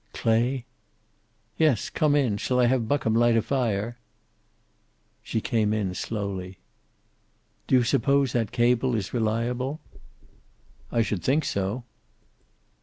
"Clay?" "Yes. Come in. Shall I have Buckham light a fire?" She came in, slowly. "Do you suppose that cable is reliable?" "I should think so."